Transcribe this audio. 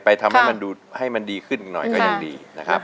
ไปทำให้มันดูให้ดีขึ้นหน่อยก็ยังดี